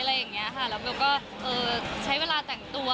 แล้วเบลก็ใช้เวลาแต่งตัว